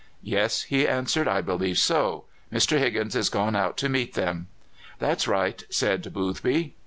"Yes," he answered; "I believe so. Mr. Higgins is gone out to meet them." "That's right," said Boothby.